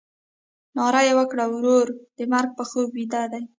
ناره یې وکړه ورونه د مرګ په خوب بیده دي.